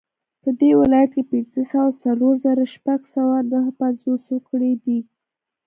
په دې ولایت کې پنځه سوه څلور زره شپږ سوه نهه پنځوس وګړي دي